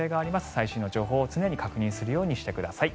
最新の情報を常に確認するようにしてください。